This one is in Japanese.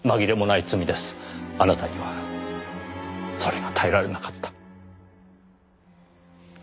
あなたにはそれが耐えられなかった。